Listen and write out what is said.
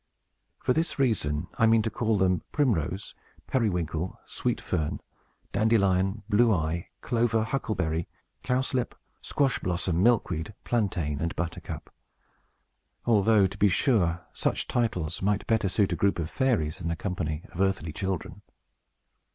For this reason I mean to call them Primrose, Periwinkle, Sweet Fern, Dandelion, Blue Eye, Clover, Huckleberry, Cowslip, Squash Blossom, Milkweed, Plantain, and Buttercup; although, to be sure, such titles might better suit a group of fairies than a company of earthly children.